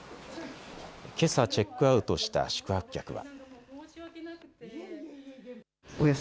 けさチェックアウトした宿泊客は。